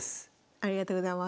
ありがとうございます。